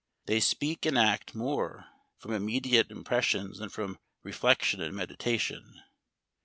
They speak and act more from immediate impressions than from reflection and meditation.